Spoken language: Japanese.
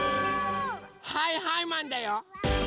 はいはいマンだよ！